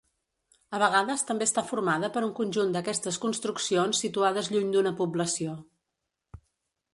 A vegades també està formada per un conjunt d'aquestes construccions situades lluny d'una població.